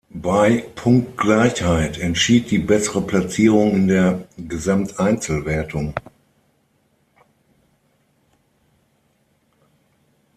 Bei Punktgleichheit entschied die bessere Platzierung in der Gesamteinzelwertung.